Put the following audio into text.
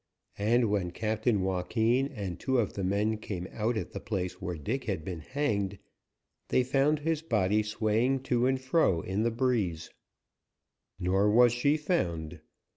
And when Captain Joaquin and two of the men came out at the place where Dick had been hanged, they found his body swaying to and fro in the breeze. Nor was she found.